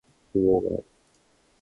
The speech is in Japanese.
希望がある